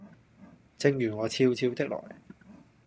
正如我悄悄的來